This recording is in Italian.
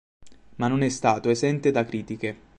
Ma non è stato esente da critiche.